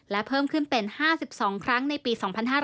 และเพิ่มขึ้นเป็น๕๒ครั้งในปี๒๕๕๙